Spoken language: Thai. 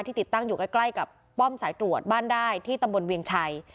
ติดตั้งอยู่ใกล้กับป้อมสายตรวจบ้านได้ที่ตำบลเวียงชัย